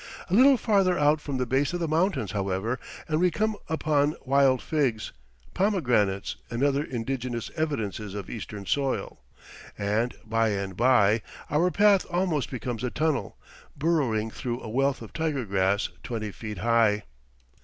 A little farther out from the base of the mountains, however, and we come upon wild figs, pomegranates, and other indigenous evidences of Eastern soil; and by and by our path almost becomes a tunnel, burrowing through a wealth of tiger grass twenty feet high.